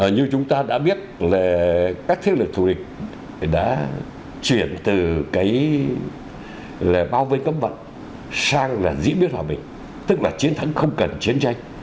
như chúng ta đã biết là các thế lực thù địch đã chuyển từ cái bao vây cấm vận sang là diễn biến hòa bình tức là chiến thắng không cần chiến tranh